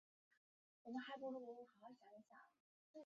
南传佛教称此为第四次结集。